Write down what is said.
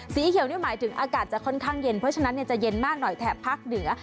สีเขียวนี่หมายถึงอากาศจะค่อนข้างเย็นเพราะฉะนั้นจะเย็นมากหน่อยแถบภาคเหนือ